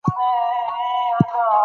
کلک خج دې په بل مثال کې وکاروئ.